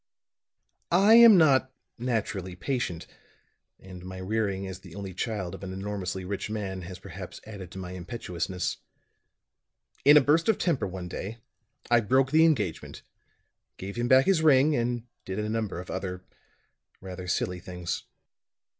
"I am not naturally patient; and my rearing as the only child of an enormously rich man has perhaps added to my impetuousness. In a burst of temper one day, I broke the engagement, gave him back his ring and did a number of other rather silly things.